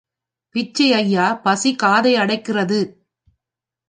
பிச்சை ஐயா பசி காதை அடைக்கிறது.